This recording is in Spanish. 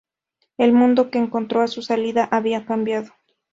El mundo que encontró a su salida había cambiado.